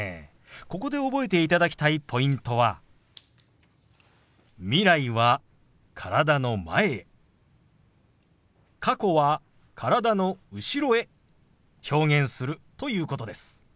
ここで覚えていただきたいポイントは未来は体の前へ過去は体の後ろへ表現するということです。